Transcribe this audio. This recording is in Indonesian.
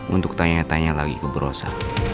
untuk tanya tanya lagi ke brosa